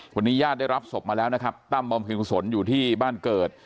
วันนี้ญาติได้รับศพมาแล้วนะครับตั้มบำเพ็ญกุศลอยู่ที่บ้านเกิด